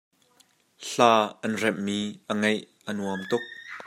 Hla an remhmi a ngeih a nuam tuk.